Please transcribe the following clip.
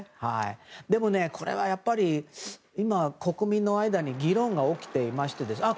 でも、これはやっぱり今、国民の間に議論が起きていまして。